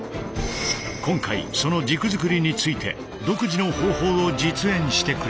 今回その「軸づくり」について独自の方法を実演してくれた。